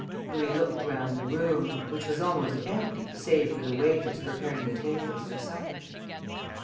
Louis looked round the room, which was almost empty, save for the waiters preparing the tables for supper.